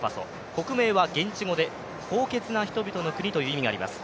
国名は現地語で高潔な人々の国という意味があります。